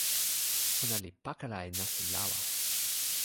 ona li pakala e nasin lawa.